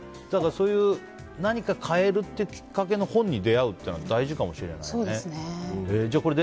そういう何か買えるっていうきっかけの本に出会うっていうのは大事かもしれないね。